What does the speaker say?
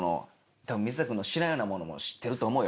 多分水田君の知らんようなものも知ってると思うよ